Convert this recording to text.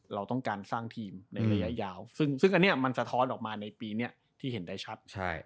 เราต้องการสร้างทีมในระยะยาวซึ่งอันนี้มันสะท้อนออกมาในปีนี้ที่เห็นได้ชัด